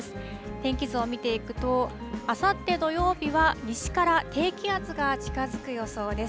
天気図を見ていくとあさって土曜日は西から低気圧が近づく予想です。